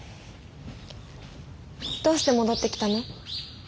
どうして戻ってきたの？